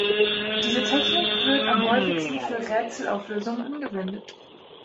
Diese Technik wird am häufigsten für Rätsel-Auflösungen angewendet.